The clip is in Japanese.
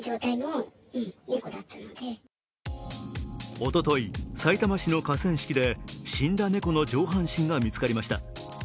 おととい、さいたま市の河川敷で死んだ猫の上半身が見つかりました。